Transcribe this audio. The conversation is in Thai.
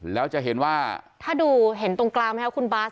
แล้วจะเห็นว่าถ้าดูเห็นตรงกลางไหมคะคุณบาส